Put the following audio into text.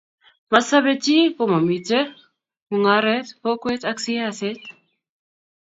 masobe chi komamito mungaret, kokwet ak siaset